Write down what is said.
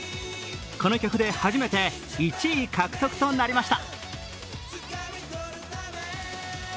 この曲で初めて１位獲得となりました。